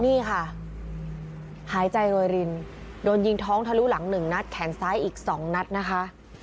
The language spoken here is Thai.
นี่ค่ะหายใจโรยรินโดนยิงท้องทะลุหลังหนึ่งนัดแขนซ้ายอีก๒นัดนะคะ